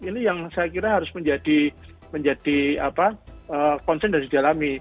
ini yang saya kira harus menjadi konsen dan didalami